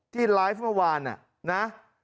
ที่ไลฟ์เมื่อวานนะ